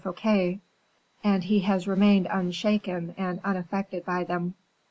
Fouquet, and he has remained unshaken and unaffected by them."